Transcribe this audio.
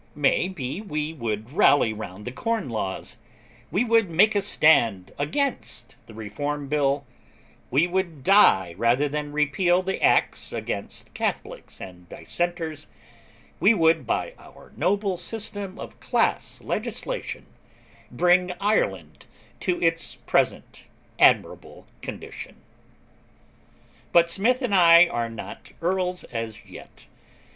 May be we would rally round the Corn Laws; we would make a stand against the Reform Bill; we would die rather than repeal the Acts against Catholics and Dissenters; we would, by our noble system of class legislation, bring Ireland to its present admirable condition. But Smith and I are not Earls as yet.